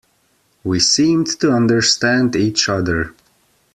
We seemed to understand each other.